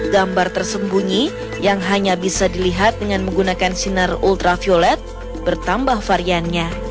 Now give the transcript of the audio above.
gambar tersembunyi yang hanya bisa dilihat dengan menggunakan sinar ultraviolet bertambah variannya